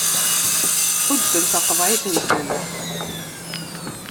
Ḥudden taqeḍεit-nsen.